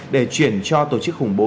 để chuyển cho tổ chức khủng bố